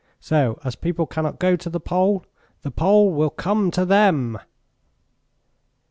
So, as people cannot go to the pole, the pole will come to them."